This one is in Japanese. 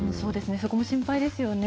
そこも心配ですよね。